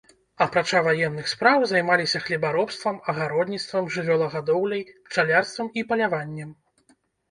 Апрача ваенных спраў займаліся хлебаробствам, агародніцтвам, жывёлагадоўляй, пчалярствам і паляваннем.